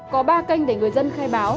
có ba kênh để người dân khai báo